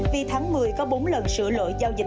vì tháng một mươi có bốn lần sửa lỗi giao dịch